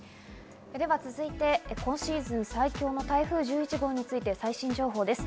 続いて、今シーズン最強の台風１１号について、最新情報です。